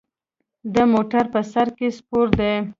د موټر په سر کې سپور دی.